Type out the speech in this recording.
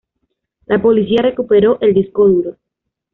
La policía recuperó el disco duro.